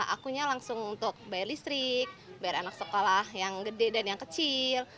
akunya langsung untuk bayar listrik bayar anak sekolah yang gede dan yang kecil